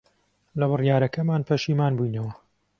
لە بڕیارەکەمان پەشیمان بووینەوە.